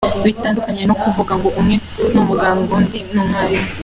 Bitandukanye no kuvuga ngo umwe ni umuganga undi ni umwarimu.